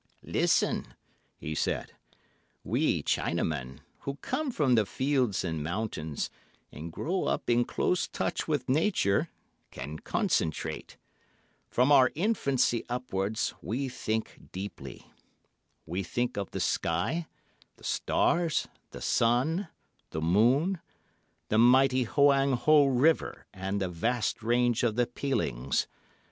"Listen," he said, "we, Chinamen, who come from the fields and mountains, and grow up in close touch with Nature, can concentrate. From our infancy upwards we think deeply. We think of the sky, the stars, the sun, the moon, the mighty Hoang Ho River and the vast range of the Pelings.